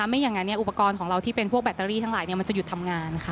ไม่อย่างนั้นอุปกรณ์ของเราที่เป็นพวกแบตเตอรี่ทั้งหลายมันจะหยุดทำงานค่ะ